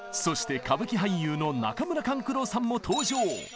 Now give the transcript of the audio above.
そして歌舞伎俳優の中村勘九郎さんも登場！